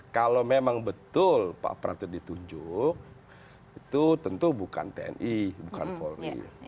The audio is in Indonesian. kalau memang betul pak pratik ditunjuk itu tentu bukan tni bukan polri